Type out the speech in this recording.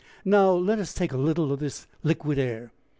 Now, let us take a little of this liquid air.